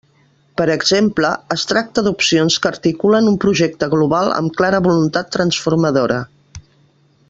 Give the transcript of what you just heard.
Per exemple, es tracta d'opcions que articulen un projecte global amb clara voluntat transformadora.